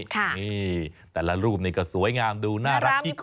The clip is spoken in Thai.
นี่แต่ละรูปนี่ก็สวยงามดูน่ารักขี้คอ